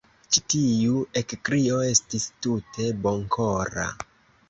Ĉi tiu ekkrio estis tute bonkora.